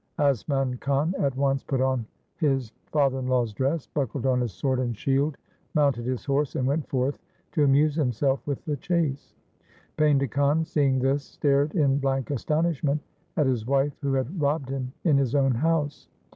Asman Khan at once put on his father in law's dress, buckled on his LIFE OF GURU HAR GOBIND sword and shield, mounted his horse, and went forth to amuse himself with the chase. Painda Khan seeing this stared in blank astonishment at his wife who had robbed him in his own house.